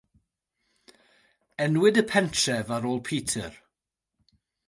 Enwyd y pentref ar ôl Peter.